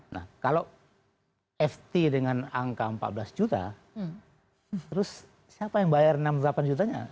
nah kalau ft dengan angka empat belas juta terus siapa yang bayar enam puluh delapan jutanya